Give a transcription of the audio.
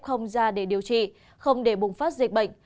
không ra để điều trị không để bùng phát dịch bệnh